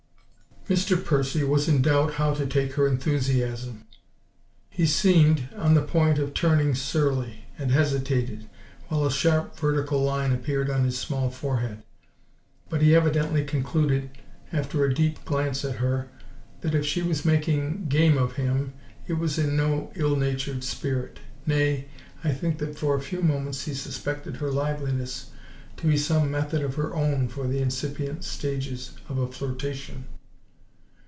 Mr. Percy was in doubt how to take her enthusiasm; he seemed on the point of turning surly, and hesitated, while a sharp vertical line appeared on his small forehead; but he evidently concluded, after a deep glance at her, that if she was making game of him it was in no ill natured spirit nay, I think that for a few moments he suspected her liveliness to be some method of her own for the incipient stages of a flirtation.